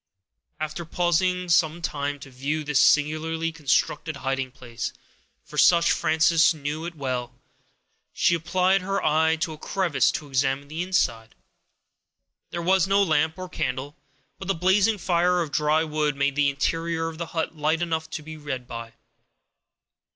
After pausing some time to view this singularly constructed hiding place, for such Frances well knew it to be, she applied her eye to a crevice to examine the inside. There was no lamp or candle, but the blazing fire of dry wood made the interior of the hut light enough to read by.